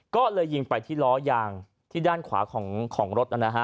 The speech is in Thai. ก็เลยยิงไปที่ล้อยางที่ด้านขวาของรถนะฮะ